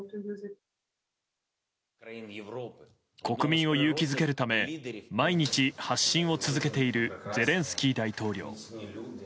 国民を勇気づけるため毎日、発信を続けているゼレンスキー大統領。